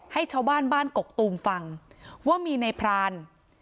ให้ชาวบ้านบ้านกกตูมฟังว่ามีในพราน